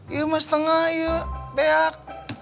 iyumah setengah yuk beak